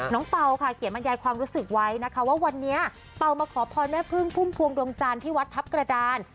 เป่าค่ะเขียนบรรยายความรู้สึกไว้นะคะว่าวันนี้เปล่ามาขอพรแม่พึ่งพุ่มพวงดวงจันทร์ที่วัดทัพกระดาน